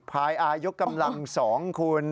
ภายอายกกำลัง๒คุณ